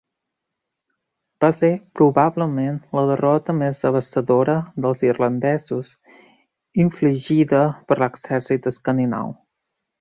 Va ser probablement la derrota més devastadora dels irlandesos infligida per l'exèrcit escandinau.